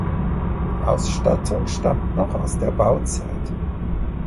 Die Ausstattung stammt noch aus der Bauzeit.